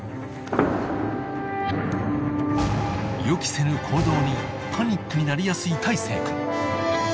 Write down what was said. ［予期せぬ行動にパニックになりやすい大生君］